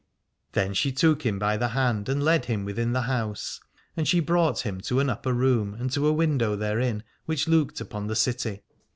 Then she took him by the hand and led him within the house, and she brought him to an upper room and to a window therein which looked upon the city.